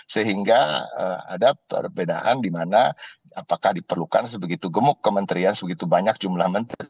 sehingga ada perbedaan di mana apakah diperlukan sebegitu gemuk kementerian sebegitu banyak jumlah menteri